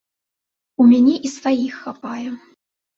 У мяне і сваіх хапае!